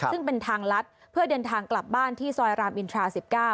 ซึ่งเป็นทางลัดเพื่อเดินทางกลับบ้านที่ซอยรามอินทรา๑๙